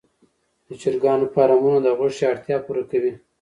د چرګانو فارمونه د غوښې اړتیا پوره کوي.